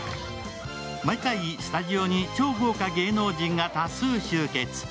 毎回、スタジオに超豪華芸能人が多数集結。